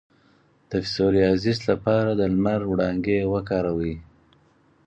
د پسوریازیس لپاره د لمر وړانګې وکاروئ